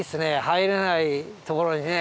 入れないところにね。